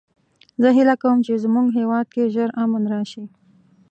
زه هیله کوم چې د مونږ هیواد کې ژر امن راشي